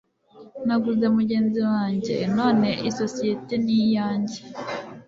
naguze mugenzi wanjye none isosiyete ni iyanjye